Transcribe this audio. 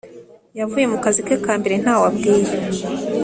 Yavuye mu kazi ke ka mbere ntawe abwiye